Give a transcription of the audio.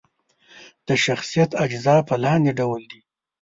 د شخصیت اجزا په لاندې ډول دي: